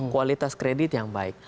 kualitas kredit yang baik